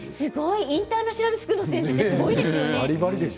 インターナショナルスクールの先生、すごいですよね。